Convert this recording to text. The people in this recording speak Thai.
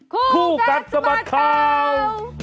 คู่กัดสะบัดข่าว